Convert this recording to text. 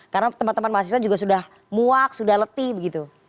karena teman teman mahasiswa juga sudah muak sudah letih begitu